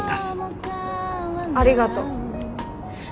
ありがとう。